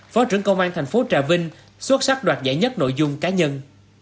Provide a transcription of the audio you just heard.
phó trưởng công an tp trà vinh xuất sắc đoạt giải nhất nội dung cá nhân